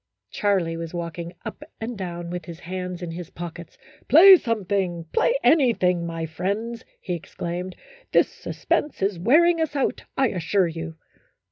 Charlie was walking up and down with his hands in his pockets. " Play something, play anything, my friends," he exclaimed. "This suspense is wear ing us out, I assure you."